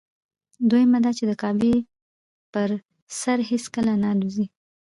دویمه دا چې د کعبې پر سر هېڅکله نه الوزي.